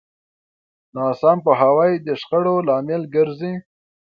ناسم پوهاوی د شخړو لامل ګرځي.